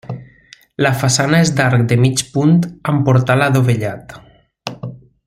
La façana és d'arc de mig punt amb portal adovellat.